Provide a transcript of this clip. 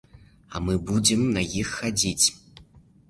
А мы будзем на іх хадзіць!